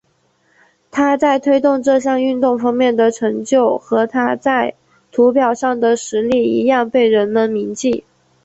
他在推动这项运动方面的成就和他在土俵上的实力一样被人们铭记。